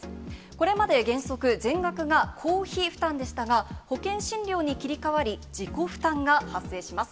これまで原則、全額が公費負担でしたが、保険診療に切り替わり自己負担が発生します。